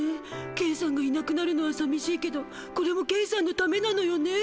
ケンさんがいなくなるのはさみしいけどこれもケンさんのためなのよね。